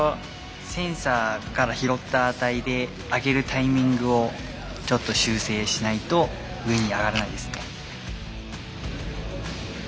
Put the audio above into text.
センサーから拾った値で上げるタイミングをちょっと修正しないと上に上がらないですね。